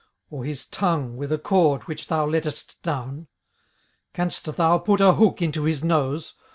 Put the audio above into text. or his tongue with a cord which thou lettest down? 18:041:002 Canst thou put an hook into his nose?